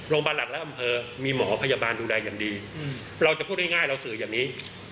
โรงพยาบาลหลักและอำเภอมีหมอพยาบาลดูแลอย่างดีเราจะพูดง่ายเราสื่ออย่างนี้